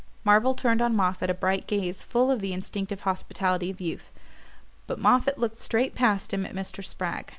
Marvell turned on Moffatt a bright gaze full of the instinctive hospitality of youth; but Moffatt looked straight past him at Mr. Spragg.